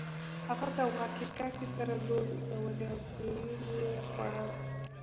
هغه د واکي ټاکي سره لوبې کولې او سیریل یې خوړل